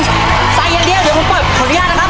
ใส่อย่างเดียวเดี๋ยวมึงปล่อยประโยชน์นะครับ